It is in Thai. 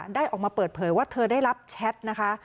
ได้ออกมาเปิดเผยว่าเธอได้รับแชทนะคะ